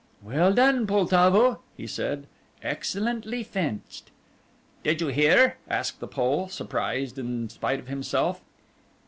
"Well done, Poltavo," he said; "excellently fenced." "Did you hear?" asked the Pole, surprised in spite of himself.